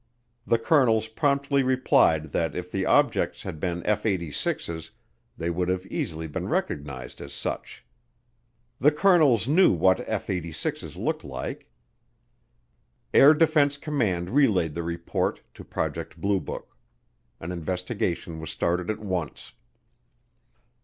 The colonels promptly replied that if the objects had been F 86's they would have easily been recognized as such. The colonels knew what F 86's looked like. Air Defense Command relayed the report to Project Blue Book. An investigation was started at once.